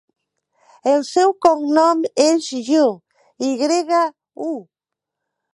El seu cognom és Yu: i grega, u.